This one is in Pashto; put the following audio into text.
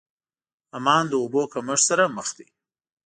عمان د اوبو کمښت سره مخ دی.